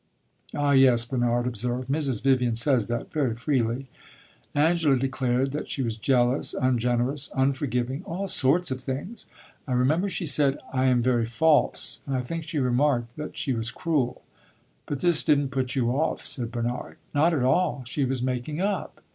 "Ah yes," Bernard observed; "Mrs. Vivian says that, very freely." "Angela declared that she was jealous, ungenerous, unforgiving all sorts of things. I remember she said 'I am very false,' and I think she remarked that she was cruel." "But this did n't put you off," said Bernard. "Not at all. She was making up."